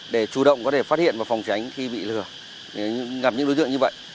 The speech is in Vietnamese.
để chủ động có thể phát hiện và phòng tránh khi bị lừa gặp những đối tượng như vậy